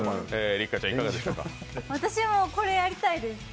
私もこれやりたいです。